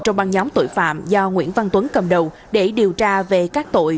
trong băng nhóm tội phạm do nguyễn văn tuấn cầm đầu để điều tra về các tội